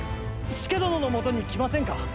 佐殿のもとに来ませんか。